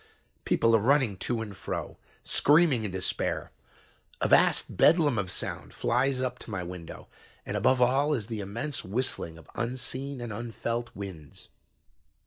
"People are running to and fro, screaming in despair. A vast bedlam of sound flies up to my window, and above all is the immense whistling of unseen and unfelt winds.